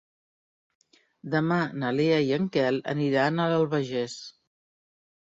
Demà na Lea i en Quel aniran a l'Albagés.